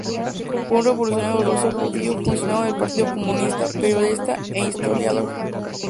Fue un revolucionario ruso judío, funcionario del Partido Comunista, periodista e historiador.